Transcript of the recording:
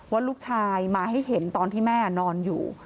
ว่าลูกชายมาให้เห็นตอนที่แม่นอนอยู่